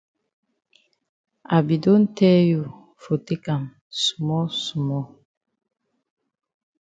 I be don tell you for take am small small.